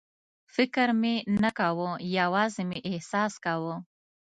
فکر مې نه کاوه، یوازې مې احساس کاوه.